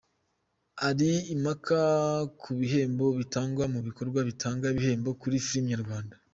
Hari impaka ku bihembo bitangwa mu gikorwa gitanga ibihembo kuri filime nyarwanda